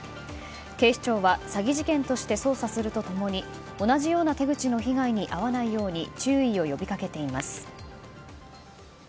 警視庁は詐欺事件として捜査すると共に同じような手口の被害に遭わないように注意を呼び掛けています。